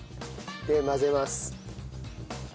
で混ぜます。